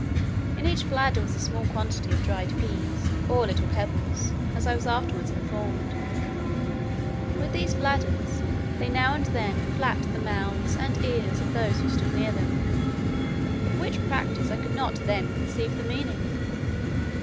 In each bladder was a small quantity of dried peas, or little pebbles, as I was afterwards informed. With these bladders, they now and then flapped the mouths and ears of those who stood near them, of which practice I could not then conceive the meaning.